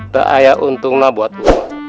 tak ayah untunglah buat lu